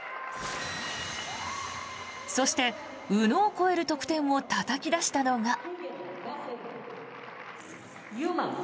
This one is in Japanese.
そして、宇野を超える得点をたたき出したのが。